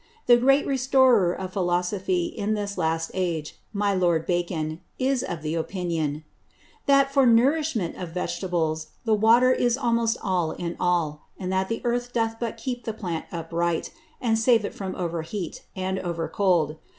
The great Restorer of Philosophy in this last Age, my Lord Bacon, is of Opinion, _That for Nourishment of Vegetables, the Water is almost all in all; and that the Earth doth but keep the Plant upright, and save it from over heat, and over cold.